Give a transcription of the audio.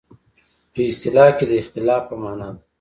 په اصطلاح کې د اختلاف په معنی ده.